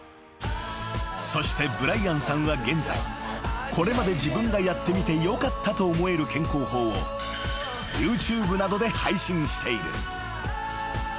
［そしてブライアンさんは現在これまで自分がやってみてよかったと思える健康法をＹｏｕＴｕｂｅなどで配信している］